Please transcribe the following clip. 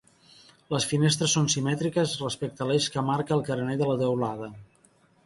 Les finestres són simètriques respecte a l'eix que marca el carener de la teulada.